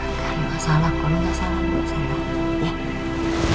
gak ada masalah kalau gak salah gue nyebel